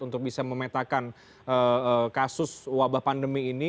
untuk bisa memetakan kasus wabah pandemi ini